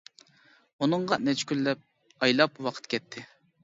ئۇنىڭغا نەچچە كۈنلەپ ئايلاپ ۋاقىت كەتتى.